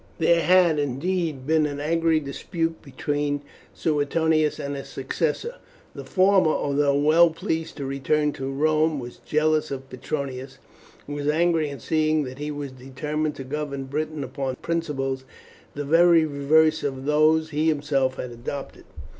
There had, indeed, been an angry dispute between Suetonius and his successor. The former, although well pleased to return to Rome, was jealous of Petronius, and was angry at seeing that he was determined to govern Britain upon principles the very reverse of those he himself had adopted.